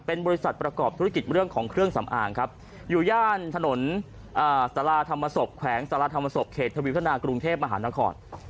เป็นบริษัทประกอบธุรกิจเรื่องของเครื่องสำอางครับอยู่ย่านถนนสาราธรรมศพแขวงสารธรรมศพเขตทวิวทนากรุงเทพมหานคร